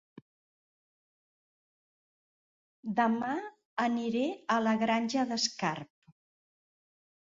Dema aniré a La Granja d'Escarp